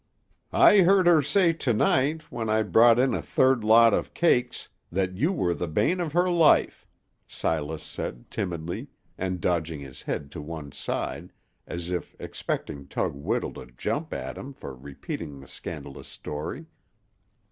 "I heard her say to night, when I brought in a third lot of cakes, that you were the bane of her life," Silas said, timidly, and dodging his head to one side, as if expecting Tug Whittle to jump at him for repeating the scandalous story.